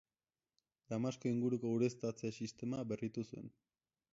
Damasko inguruko ureztatze-sistema berritu zuen.